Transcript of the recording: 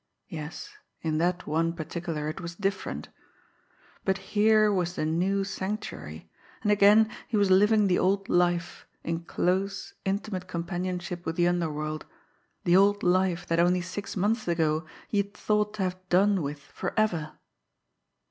Yes, in that one particular it was different; but here was the New Sanctuary, and again he was living the old life in close, intimate companionship with the underworld the old life that only six months ago he had thought to have done with forever!